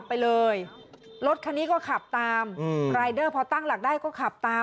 ไปเลยรถคันนี้ก็ขับตามรายเดอร์พอตั้งหลักได้ก็ขับตาม